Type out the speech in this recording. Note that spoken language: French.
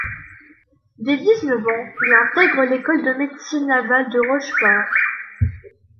Dès dix-neuf ans, il intègre l'École de médecine navale de Rochefort.